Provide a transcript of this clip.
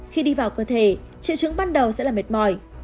khi đi vào cơ thể triệu chứng ban đầu sẽ là mệt mỏi